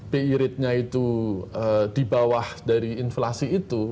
bi ratenya itu di bawah dari inflasi itu